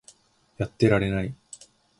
やってられない